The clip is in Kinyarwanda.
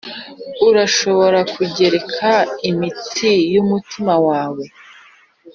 urashobora kugoreka imitsi yumutima wawe?